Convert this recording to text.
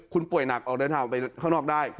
คุณป่วยหนักออกเดินทางไปข้างนอกได้